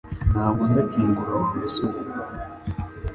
Ntabwo ndakinguye Wa musore